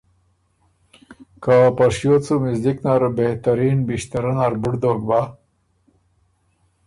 که په شیوت سُو مِزدِک نر بهترین بِݭترۀ نر بُډ دوک بَۀ،